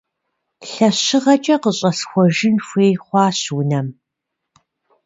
Лъэщыгъэкэ къыщӀэсхуэжын хуей хъуащ унэм.